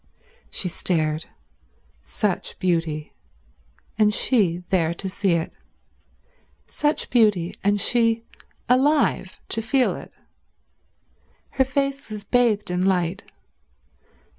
She stared. Such beauty; and she there to see it. Such beauty; and she alive to feel it. Her face was bathed in light.